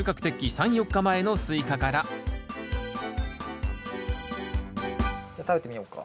３４日前のスイカからじゃあ食べてみよっか。